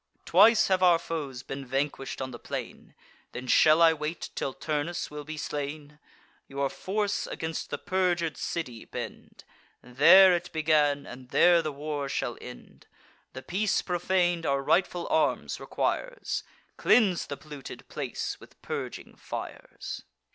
Twice have our foes been vanquish'd on the plain: Then shall I wait till Turnus will be slain? Your force against the perjur'd city bend. There it began, and there the war shall end. The peace profan'd our rightful arms requires; Cleanse the polluted place with purging fires."